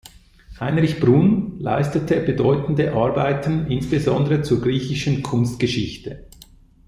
Heinrich Brunn leistete bedeutende Arbeiten insbesondere zur griechischen Kunstgeschichte.